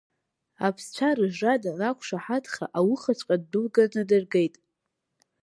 Аԥсцәа рыжра данақәшаҳаҭха аухаҵәҟьа ддәылганы дыргеит.